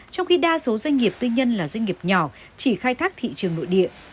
trong khi đa số doanh nghiệp tư nhân là doanh nghiệp nhỏ chỉ khai thác thị trường nội địa